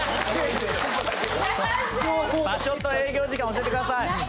・場所と営業時間教えて下さい・何？